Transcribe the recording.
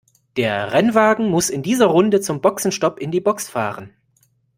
Der Rennwagen muss in dieser Runde zum Boxenstopp in die Box fahren.